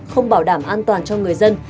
không bảo đảm an toàn cho người dân